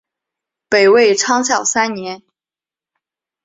北魏孝昌三年。